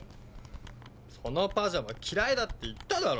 そのパジャマ嫌いだって言っただろ！